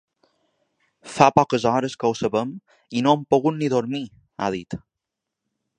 Fa poques hores que ho sabem i no hem pogut ni dormir, ha dit.